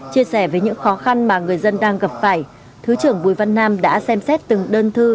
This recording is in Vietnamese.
chia sẻ với những khó khăn mà người dân đang gặp phải thứ trưởng bùi văn nam đã xem xét từng đơn thư